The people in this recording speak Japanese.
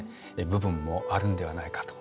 部分もあるんではないかと。